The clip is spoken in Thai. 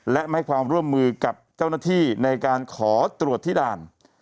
และไม่ให้ความร่วมมือกับเจ้าหน้าที่ในการขอตรวจที่ด่าน